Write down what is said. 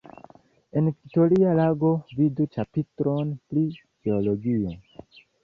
En Viktoria lago vidu ĉapitron pri Geologio.